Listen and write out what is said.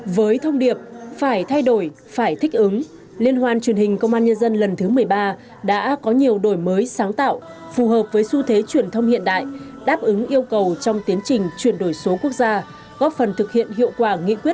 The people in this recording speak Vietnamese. với thông điệp phải thay đổi phải thích ứng liên hoan truyền hình công an nhân dân lần thứ một mươi ba đã có nhiều đổi mới sáng tạo phù hợp với xu thế truyền thông hiện đại đáp ứng yêu cầu trong tiến trình chuyển đổi số quốc gia góp phần thực hiện hiệu quả nghị quyết